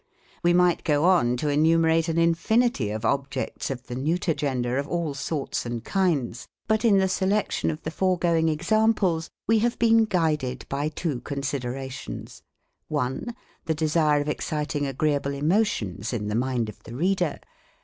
We might go on to enumerate an infinity of objects of the neuter gender, of all sorts and kinds ; but in the se lection of the foregoing examples we have been guided by two considerations :— 1. The desire of exciting agreeable emotions in the mind of the reader.